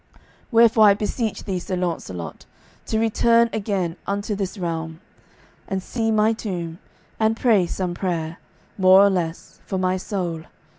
Wherefore I beseech thee, Sir Launcelot, to return again unto this realm, and see my tomb, and pray some prayer, more or less, for my soul.